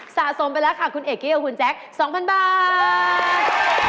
สะสมไปแล้วค่ะคุณเอกกี้กับคุณแจ๊ค๒๐๐๐บาท